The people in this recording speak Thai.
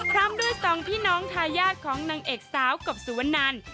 พร้อมด้วยสองพี่น้องทายาทของนางเอกสาวกบสุวนัน